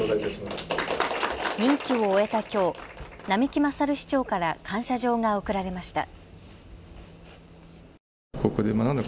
任期を終えたきょう並木傑市長から感謝状が贈られました。